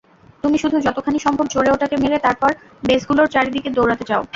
তুমি শুধু যতখানি সম্ভব জোরে ওটাকে মেরে তারপর বেসগুলোর চারদিকে দৌড়াতে চাও।